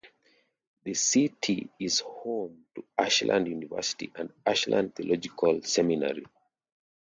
The city is home to Ashland University and Ashland Theological Seminary.